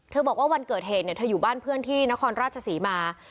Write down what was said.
บอกว่าวันเกิดเหตุเธออยู่บ้านเพื่อนที่นครราชศรีมา